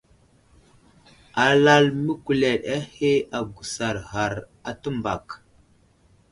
Alal məkuled ahe agusar ghar a təmbak.